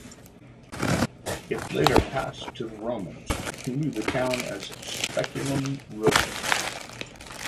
It later passed to the Romans, who knew the town as "Speculum Rotae".